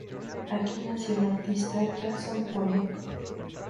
Aquí nació el artista Jackson Pollock.